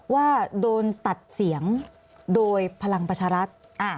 ว่าโดนตัดเสียงโดยพลังประชารัฐ